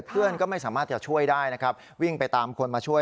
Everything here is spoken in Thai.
เพื่อนก็ไม่สามารถจะช่วยได้นะครับวิ่งไปตามคนมาช่วย